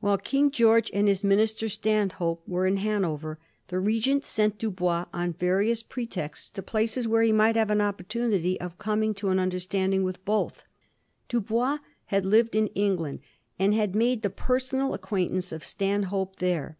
While King George and his minister Stanhope were in Hanover, the Regent sent Dubois, on various pre texts, to places where he might have an opportunity of coming to an understanding with both. Dubois ^had Uved in England, and had made the personal ac quaintance of Stanhope there.